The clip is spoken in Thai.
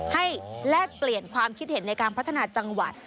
แลกเปลี่ยนความคิดเห็นในการพัฒนาจังหวัด